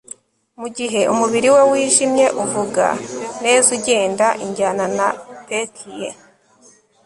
mugihe umubiri we wijimye, uvuga neza ugenda, injyana na pec ye